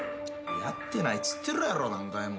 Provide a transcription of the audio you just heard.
やってないっつってるやろ何回も。